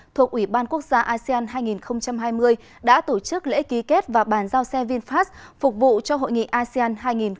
thuộc ủy ban quốc gia asean hai nghìn hai mươi đã tổ chức lễ ký kết và bàn giao xe vinfast phục vụ cho hội nghị asean hai nghìn hai mươi